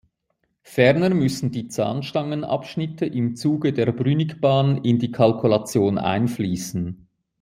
Ferner müssen die Zahnstangen-Abschnitte im Zuge der Brünigbahn in die Kalkulation einfliessen.